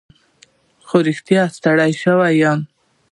خو رښتیا ستړی شوی یم.